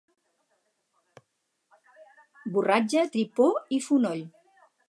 Borratja, tripó i fonoll